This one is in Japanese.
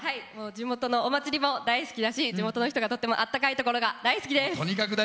地元のお祭りも好きだし地元の人がとってもあったかいところが大好きです。